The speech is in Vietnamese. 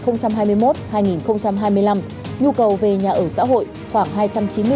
nhu cầu về nhà ở xã hội khoảng hai trăm chín mươi bốn sáu trăm linh căn